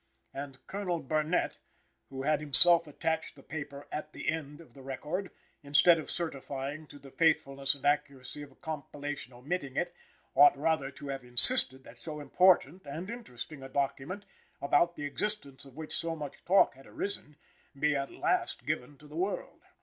And Colonel Burnett, who had himself attached the paper "at the end" of the record, instead of certifying to the "faithfulness and accuracy" of a compilation omitting it, ought rather to have insisted that so important and interesting a document, about the existence of which so much talk had arisen, be at last given to the world.